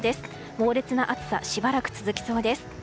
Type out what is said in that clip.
猛烈な暑さしばらく続きそうです。